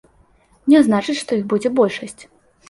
Не значыць, што іх будзе большасць.